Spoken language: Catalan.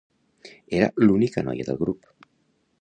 Era l’única noia del grup.